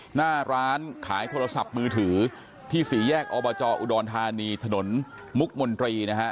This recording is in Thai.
หน้าร้านขายโทรศัพท์มือถือที่สี่แยกอบจอุดรธานีถนนมุกมนตรีนะฮะ